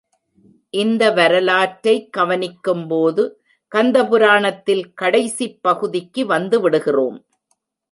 இந்த வரலாற்றை கவனிக்கும்போது கந்த புராணத்தில் கடைசிப் பகுதிக்கு வந்துவிடுகிறோம்.